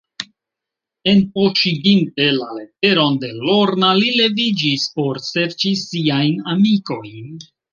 Enpoŝiginte la leteron de Lorna, li leviĝis, por serĉi siajn amikojn.